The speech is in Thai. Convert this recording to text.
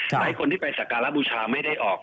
หลายคนที่ไปสักการะบูชาไม่ได้ออก